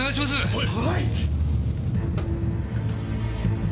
はい！